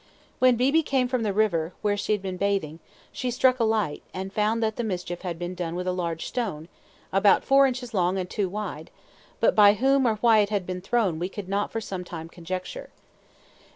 When Beebe came from the river, where she had been bathing, she struck a light, and found that the mischief had been done with a large stone, about four inches long and two wide; but by whom or why it had been thrown we could not for some time conjecture.